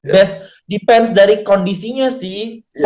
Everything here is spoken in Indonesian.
best defense dari kondisinya sih